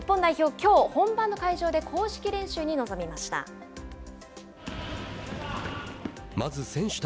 きょう本番の会場で公式練習に臨みました。